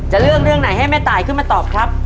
จะเลือกเรื่องไหนให้แม่ตายขึ้นมาตอบครับ